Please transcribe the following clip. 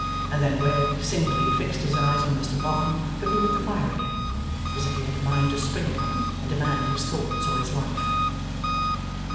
And then Wegg, singly, fixed his eyes on Mr Boffin looking at the fire again; as if he had a mind to spring upon him and demand his thoughts or his life.